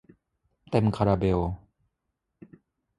เต็มคาราเบล